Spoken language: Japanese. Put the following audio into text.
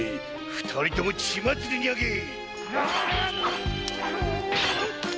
二人とも血祭りにあげい！